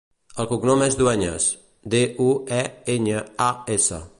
El cognom és Dueñas: de, u, e, enya, a, essa.